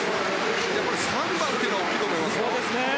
３番というのは大きいと思いますよ。